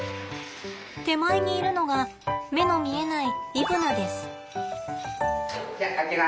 手前にいるのが目の見えないイブナです。